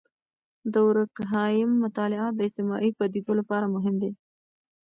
د دورکهايم مطالعات د اجتماعي پدیدو لپاره مهم دي.